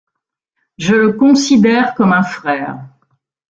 Je le considère comme un frère.